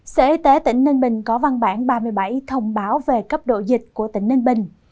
sở y tế tỉnh ninh bình có văn bản ba mươi bảy thông báo về cấp độ dịch của tỉnh ninh bình